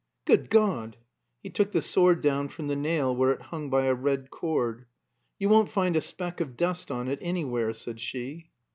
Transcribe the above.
"Good God!" He took the sword down from the nail where it hung by a red cord. "You won't find a speck of dust on it anywhere," said she.